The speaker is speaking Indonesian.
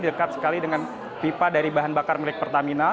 dekat sekali dengan pipa dari bahan bakar milik pertamina